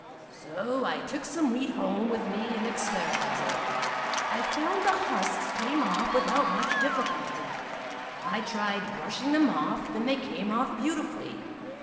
So I took some wheat home with me and experimented. I found the husks came off without much difficulty. I tried brushing them off and they came off beautifully.